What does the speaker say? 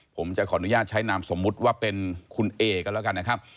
ผมจะขออนุญาตใช้นามสมมุติว่าเป็นคุณเอกันแล้วกันนะครับ